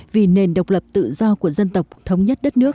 vì nền độc lập tự do của dân tộc thống nhất đất nước